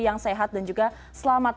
yang sehat dan juga selamat